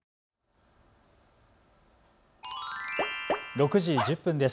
６時１０分です。